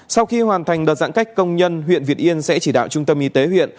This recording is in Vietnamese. sau khi hoàn thành đợt giãn cách công nhân huyện việt yên sẽ chỉ đạo trung tâm y tế huyện